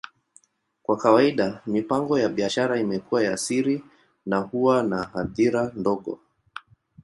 Kwa kawaida, mipango ya biashara imekuwa ya siri na huwa na hadhira ndogo.